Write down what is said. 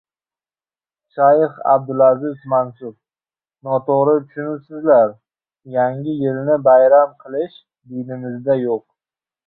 Shayx Abdulaziz Mansur: «Noto‘g‘ri tushunibsizlar, Yangi yilni bayram qilish dinimizda yo‘q!»